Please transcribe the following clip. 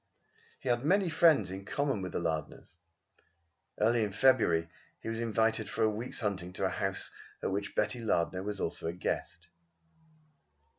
He had many friends in common with the Lardners. Early in February he was invited for a week's hunting to a house at which Betty Lardner was also a guest.